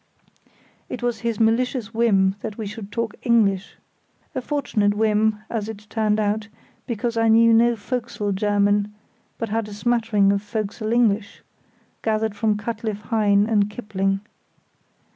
It was his malicious whim that we should talk English; a fortunate whim, as it turned out, because I knew no fo'c'sle German, but had a smattering of fo'c'sle English, gathered from Cutcliffe Hyne and Kipling.